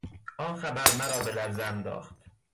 آن خبر مرا به لرزه انداخت.